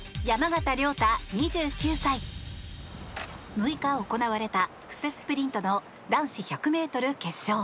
６日行われた布勢スプリントの男子１００ｍ決勝。